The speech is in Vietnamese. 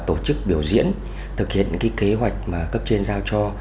tổ chức biểu diễn thực hiện những kế hoạch cấp trên giao cho